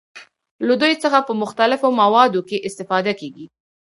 له دوی څخه په مختلفو مواردو کې استفاده کیږي.